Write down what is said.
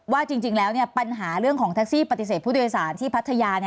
ว่าจริงแล้วปัญหาเรื่องของแท็กซี่ปฏิเสธผู้โดยสารที่พัทยา